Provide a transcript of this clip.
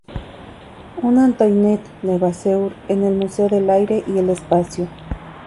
Un Antoinette Levasseur en el Museo del Aire y el Espacio